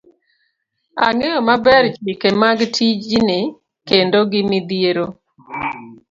ang'eyo maber chike mag tijni kendo gi midhiero